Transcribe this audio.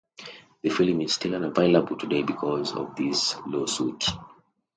The film is still unavailable today because of this lawsuit.